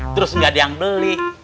terus nggak ada yang beli